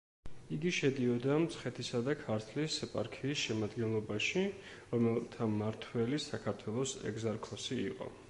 იგი შედიოდა მცხეთისა და ქართლის ეპარქიის შემადგენლობაში, რომელთა მმართველი საქართველოს ეგზარქოსი იყო.